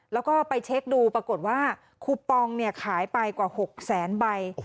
แล้วก็ไปเช็คดูปรากฏว่าคูปองขายไปกว่า๖แสนใบ